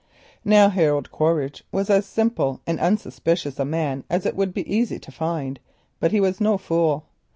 Harold Quaritch was as simple and unsuspicious a man as it would be easy to find, but he was no fool.